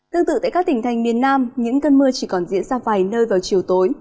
tương tự tại các tỉnh thành miền nam những cơn mưa chỉ còn diễn ra vài nơi vào chiều tối